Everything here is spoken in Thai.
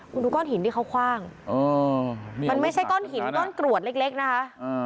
คุณดูก้อนหินที่เขาคว่างมันไม่ใช่ก้อนหินก้อนกรวดเล็กนะคะ